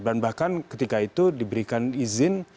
dan bahkan ketika itu diberikan izin